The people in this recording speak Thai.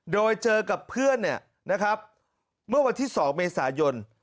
โดยเจอกับเพื่อนเมื่อวันที่๒เมษายน